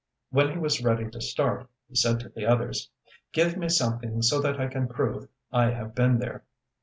When he was ready to start he said to the others: ŌĆ£Give me something so that I can prove I have been there!